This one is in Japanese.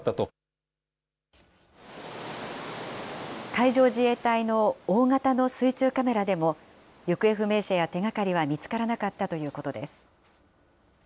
海上自衛隊の大型の水中カメラでも、行方不明者や手がかりは見つからなかったということです。